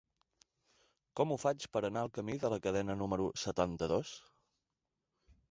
Com ho faig per anar al camí de la Cadena número setanta-dos?